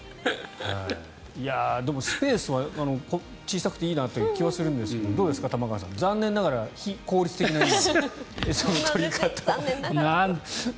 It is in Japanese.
でも、スペースは小さくていいなという気はするんですけどどうですか、玉川さん残念ながら非効率的な餌の取り方ということで。